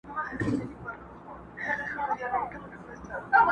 هغه شملې ته پیدا سوی سر په کاڼو ولي؛